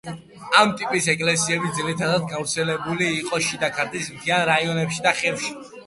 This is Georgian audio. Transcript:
ამ ტიპის ეკლესიები ძირითადად გავრცელებული იყო შიდა ქართლის მთიან რაიონებში და ხევში.